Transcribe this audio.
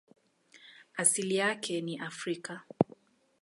Asili yake ni Afrika.